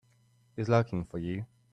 He's looking for you.